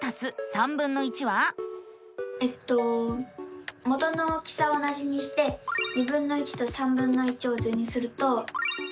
えっと元の大きさは同じにしてとを図にすると。